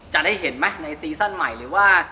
จะได้เห็นไหมในซีซั่นใหม่หรือว่า